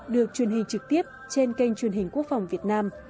được truyền hình trực tiếp trên kênh truyền hình quốc phòng việt nam